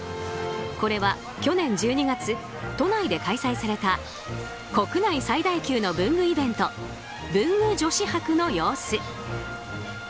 これは、去年１２月都内で開催された国内最大級の文具イベント文具女子博の様子。